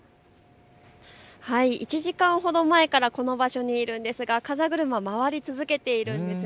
１時間ほど前からこの場所にいるんですが風車、回り続けています。